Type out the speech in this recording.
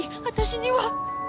私には。